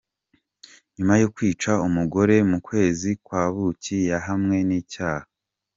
Nyuma yo kwica umugore mu kwezi kwa buki yahamwe n’icyaha